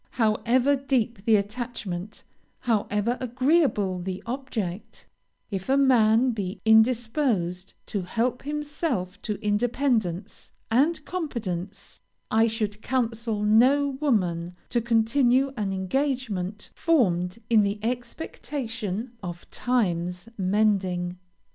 However deep the attachment, however agreeable the object, if a man be indisposed to help himself to independence and competence, I should counsel no woman to continue an engagement formed in the expectation of 'times mending.'